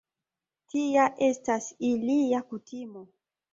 Tia estas ilia kutimo.